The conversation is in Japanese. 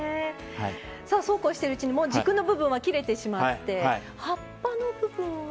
そうこうしているうちにもう軸の部分は切れてしまって葉っぱの部分は。